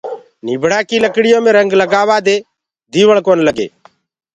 نيڀڙآ ڪي لڪڙيو ميڻ رنگ لگآرآ دي ديوݪڪونآ لگي